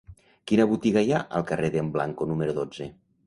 Quina botiga hi ha al carrer d'en Blanco número dotze?